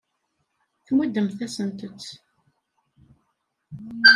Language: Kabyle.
Tmuddemt-asent-tt.